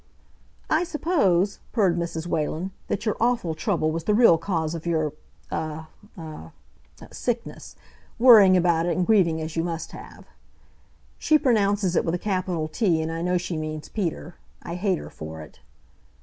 "I suppose," purred Mrs. Whalen, "that your awful trouble was the real cause of your a a a sickness, worrying about it and grieving as you must have." She pronounces it with a capital T, and I know she means Peter. I hate her for it.